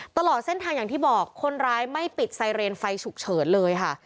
ตลอดเส้นทางอย่างที่บอกคนร้ายไม่ปิดไซเรนไฟฉุกเฉินเลยค่ะ